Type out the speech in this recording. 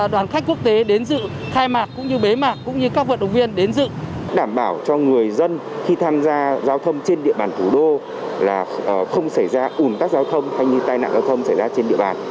là không xảy ra ủng tắc giao thông hay như tai nạn giao thông xảy ra trên địa bàn